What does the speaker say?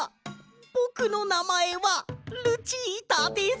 ぼくのなまえはルチータです。